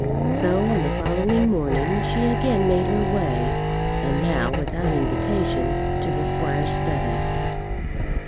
So, on the following morning, she again made her way, and now without invitation, to the squire's study.